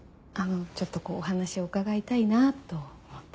ちょっとこうお話を伺いたいなと思って。